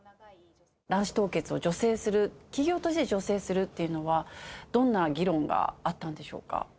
卵子凍結を助成する、企業として助成するというのは、どんな議論があったんでしょうか。